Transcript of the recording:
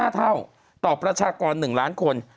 ๕เท่าต่อประชากร๑ล้านคน